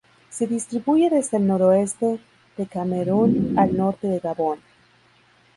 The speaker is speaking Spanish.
Se distribuye desde el noroeste de Camerún al norte de Gabón.